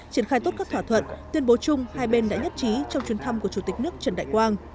triển khai tốt các thỏa thuận tuyên bố chung hai bên đã nhất trí trong chuyến thăm của chủ tịch nước trần đại quang